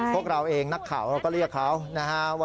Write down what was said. พวกเราเองนักข่าวก็เรียกเขานะ